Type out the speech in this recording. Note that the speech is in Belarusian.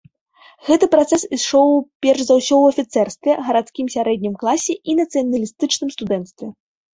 Гэты працэс ішоў перш за ўсё ў афіцэрстве, гарадскім сярэднім класе і нацыяналістычным студэнцтве.